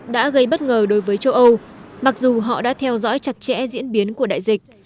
đã gây bất ngờ đối với châu âu mặc dù họ đã theo dõi chặt chẽ diễn biến của đại dịch